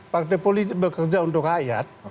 partai politik bekerja untuk rakyat